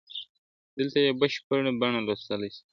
دلته یې بشپړه بڼه لوستلای سئ !.